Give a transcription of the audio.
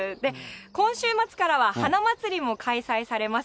今週末からは花まつりも開催されます。